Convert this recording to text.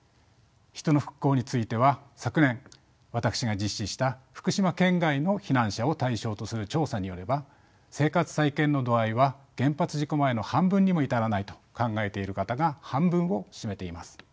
人の復興については昨年私が実施した福島県外の避難者を対象とする調査によれば生活再建の度合いは原発事故前の半分にも至らないと考えている方が半分を占めています。